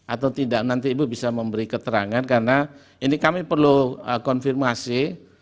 atau tidak nanti ibu bisa memberi keterangan karena ini kami perlu konfirmasi